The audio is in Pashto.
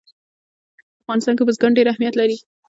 په افغانستان کې بزګان ډېر اهمیت لري.